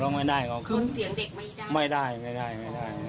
โดยสัญญาณของมนุษย์เนี่ยนะผมว่าสัตว์ยังรักลูกเลยนะ